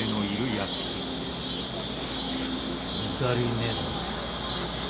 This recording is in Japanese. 抜かりねえだろうな？